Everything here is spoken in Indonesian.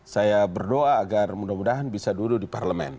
saya berdoa agar mudah mudahan bisa duduk di parlemen